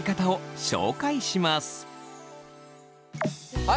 はい。